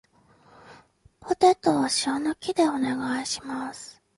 ポテトを塩抜きでお願いします